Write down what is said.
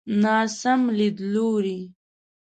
ناسم ليدلوری.